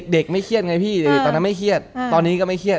ไม่เครียดไงพี่ตอนนั้นไม่เครียดตอนนี้ก็ไม่เครียด